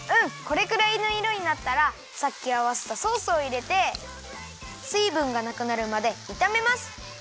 これくらいのいろになったらさっきあわせたソースをいれてすいぶんがなくなるまでいためます。